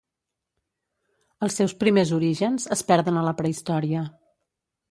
Els seus primers orígens es perden a la prehistòria.